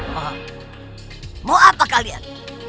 mau apa kalian